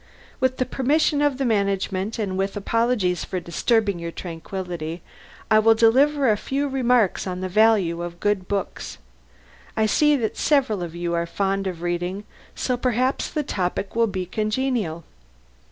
With the permission of the management, and with apologies for disturbing your tranquillity, I will deliver a few remarks on the value of good books. I see that several of you are fond of reading, so perhaps the topic will be congenial?"